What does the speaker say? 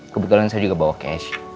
kebetulan saya juga bawa cash